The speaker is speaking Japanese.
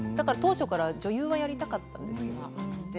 当時から女優はやりたかったんです。